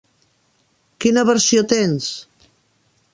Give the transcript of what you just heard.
Quina versió tens?